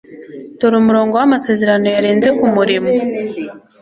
dore umurongo wamasezerano yarenze kumurimo